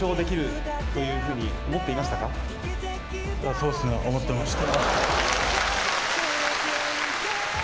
そうですね、思ってました。